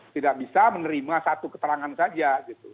tidak bisa menerima satu keterangan saja gitu